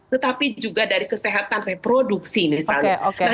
tetapi juga dari kesehatan reproduksi misalnya